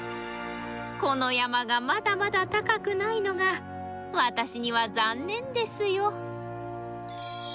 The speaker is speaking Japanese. この山がまだまだ高くないのが私には残念ですよ」。